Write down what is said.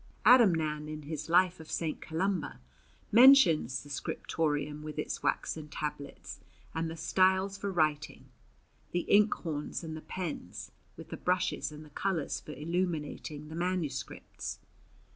Adamnan in his Life of St. Columba mentions the scriptorium with its waxen tablets and the styles for writing, the inkhorns and the pens, with the brushes and the colours for illuminating the manuscripts.